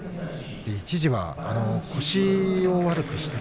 一時は、腰を悪くして。